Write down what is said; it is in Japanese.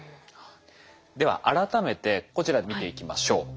では改めてこちら見ていきましょう。